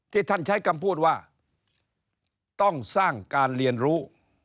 ท่านใช้คำพูดว่าต้องสร้างการเรียนรู้